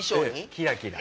キラキラ。